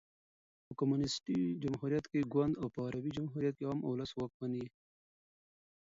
په کمونيسټي جمهوریت کښي ګوند او په عربي جمهوریت کښي عام اولس واکمن يي.